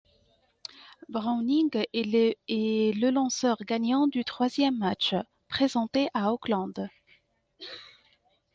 Browning est le lanceur gagnant du troisième match, présenté à Oakland.